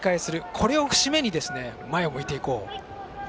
これを節目に、前を向いていこう。